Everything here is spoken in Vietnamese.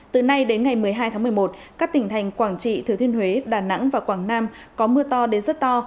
từ nay đến ngày một mươi hai tháng một mươi một các tỉnh thành quảng trị thừa thiên huế đà nẵng và quảng nam có mưa to đến rất to